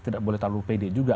tidak boleh terlalu pede juga